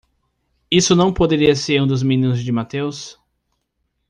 Isso não poderia ser um dos meninos de Mateus?